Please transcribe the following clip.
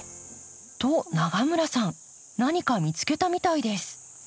と永村さん何か見つけたみたいです。